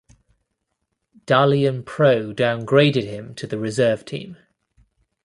Dalian Pro downgraded him to the reserve team.